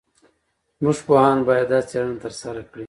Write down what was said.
زموږ پوهان باید دا څېړنه ترسره کړي.